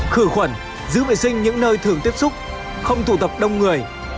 khử khuẩn giữ vệ sinh những nơi thường tiếp xúc không tụ tập đông người